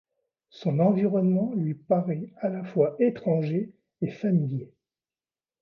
Son environnement lui paraît à la fois étranger et familier.